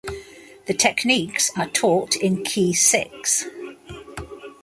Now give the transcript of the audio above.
The techniques are taught in Key Six.